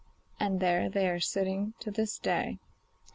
And there they are sitting to this day.